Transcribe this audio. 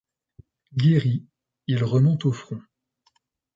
Guéri, il remonte au front.